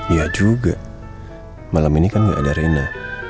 iya juga malam ini kan gak ada rena